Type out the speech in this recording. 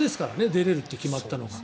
出れるって決まったのが。